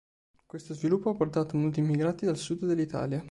Questo sviluppo ha portato molti immigrati dal sud dell'Italia.